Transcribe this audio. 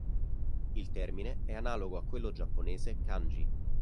Il termine è analogo a quello giapponese "kanji".